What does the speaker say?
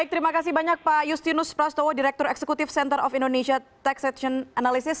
terima kasih banyak pak justinus prastowo direktur eksekutif center of indonesia taxaction analysis